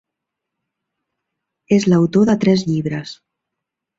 És l'autor de tres llibres.